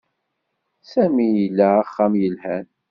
Sami ila axxam yelhan.